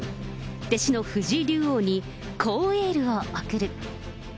弟子の藤井竜王に、こうエールを送る。